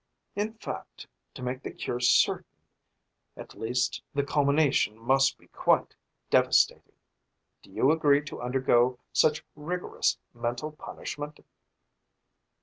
In fact, to make the cure certain, at least the culmination must be quite devastating. Do you agree to undergo such rigorous mental punishment?"